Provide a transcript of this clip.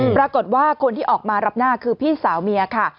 ปรากฏว่าคนที่ออกมารับหน้าคือพี่สาวเมียค่ะ